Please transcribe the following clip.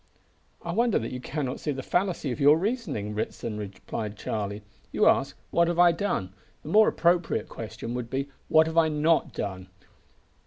"I wonder that you cannot see the fallacy of your reasoning, Ritson," replied Charlie. "You ask, `What have I done?' The more appropriate question would be, `What have I not done?'